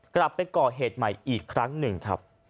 กลับไปก่อเหตุใหม่อีกครั้งหนึ่งครับ